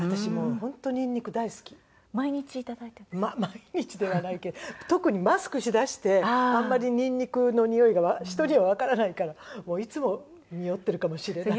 毎日ではないけど特にマスクしだしてあんまりニンニクのにおいが人にはわからないからいつもにおってるかもしれない。